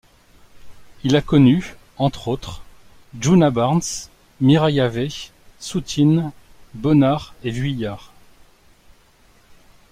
Il a connu, entre autres, Djuna Barnes, Mireille Havet, Soutine, Bonnard et Vuillard.